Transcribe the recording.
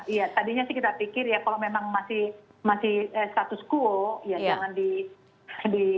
iya tadinya sih kita pikir ya kalau memang masih status quo ya jangan di